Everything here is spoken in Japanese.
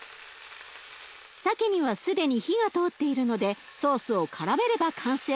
さけには既に火が通っているのでソースをからめれば完成。